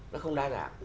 nó không đa dạng